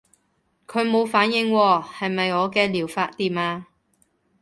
佢冇反應喎，係咪我嘅療法掂啊？